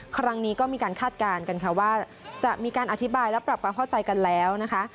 ครั้งนี้ก็มีการคาดการณ์กันค่ะว่าจะมีการอธิบายและปรับความเข้าใจกันแล้วนะคะ